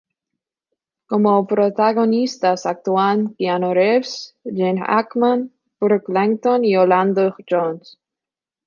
Como protagonistas, actúan Keanu Reeves, Gene Hackman, Brooke Langton y Orlando Jones.